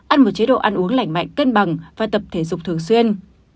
ăn một chế độ ăn uống lành mạnh cân bằng và tập thể dục thường xuyên